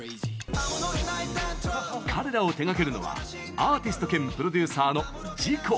彼らを手がけるのはアーティスト兼プロデューサーのＺＩＣＯ。